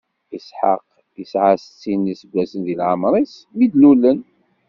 Isḥaq isɛa settin n iseggasen di lɛemṛ-is, mi d-lulen.